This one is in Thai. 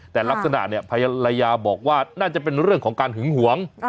แต่ลักษณะเนี่ยภรรยาบอกว่าน่าจะเป็นเรื่องของการหึงหวง